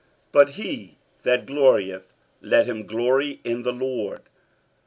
47:010:017 But he that glorieth, let him glory in the Lord.